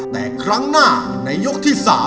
แต่ครั้งหน้าในยกที่๓